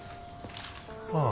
ああ。